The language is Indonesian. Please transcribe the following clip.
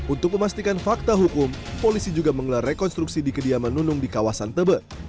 untuk memastikan fakta hukum polisi juga mengelar rekonstruksi di kediaman nunung di kawasan tebet